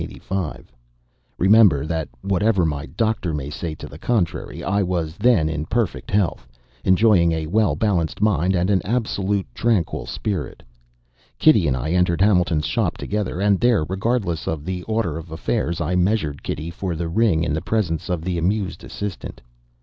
Remember that whatever my doctor may say to the contrary I was then in perfect health, enjoying a well balanced mind and an absolute tranquil spirit. Kitty and I entered Hamilton's shop together, and there, regardless of the order of affairs, I measured Kitty for the ring in the presence of the amused assistant.